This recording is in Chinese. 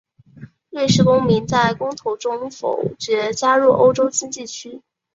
瑞士公民在公投中否决加入欧洲经济区。